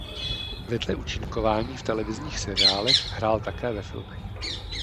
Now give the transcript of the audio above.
Vedle účinkování v televizních seriálech hrál také ve filmech.